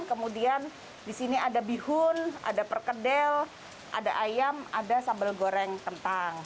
kemudian di sini ada bihun ada perkedel ada ayam ada sambal goreng kentang